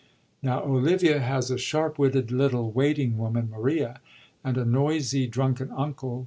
Now, Olivia has a sharp witted little waiting woman, Maria, and a noisy drunken uncle.